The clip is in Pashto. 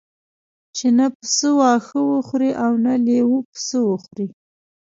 چې نه پسه واښه وخوري او نه لېوه پسه وخوري.